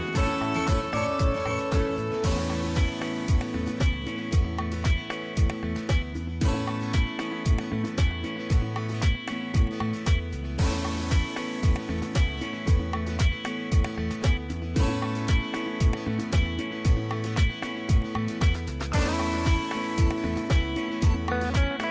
สวัสดีครับ